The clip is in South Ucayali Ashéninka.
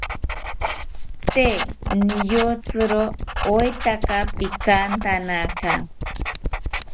Tee niyotziro oetaka pikantanaka